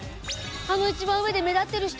あの一番上で目立ってる人？